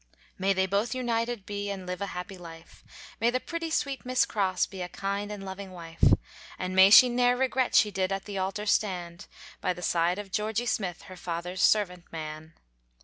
May they both united be, And live a happy life, May the pretty sweet Miss Crosse, Be a kind and loving wife; And may she ne'er regret She did at the altar stand, By the side of Georgy Smith, Her father's servant man.